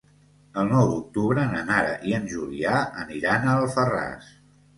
El nou d'octubre na Nara i en Julià aniran a Alfarràs.